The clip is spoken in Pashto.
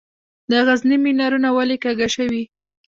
د غزني منارونه ولې کږه شوي؟